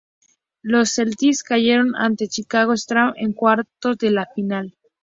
Los Celtics cayeron ante Chicago Stags en cuartos de final.